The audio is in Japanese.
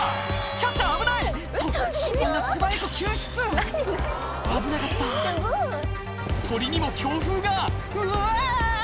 「キャッチャー危ない！」と審判が素早く救出危なかった鳥にも強風が「うわ！